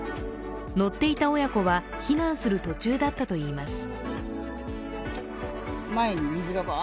乗っていた親子は避難する途中だったといいます。